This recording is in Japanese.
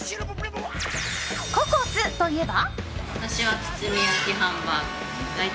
ココスといえば。